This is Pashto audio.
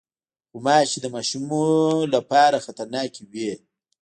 غوماشې د ماشومو لپاره خطرناکې وي.